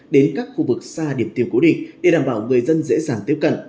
đến các khu vực xa điểm tiêu cố định để đảm bảo người dân dễ dàng tiếp cận